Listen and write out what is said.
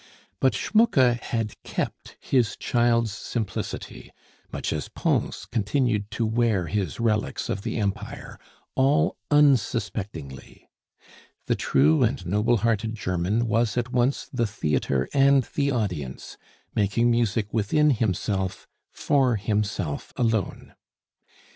But Schmucke had kept his child's simplicity much as Pons continued to wear his relics of the Empire all unsuspectingly. The true and noble hearted German was at once the theatre and the audience, making music within himself for himself alone.